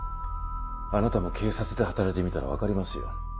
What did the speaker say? あなたも警察で働いてみたら分かりますよ。